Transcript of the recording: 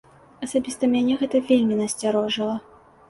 Асабіста мяне гэта вельмі насцярожыла.